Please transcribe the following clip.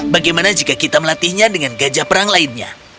bagaimana jika kita melatihnya dengan gajah perang lainnya